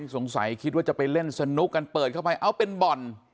สงสัยคิดว่าจะไปเล่นสนุกกันเปิดเข้าไปเอ้าเป็นบ่อน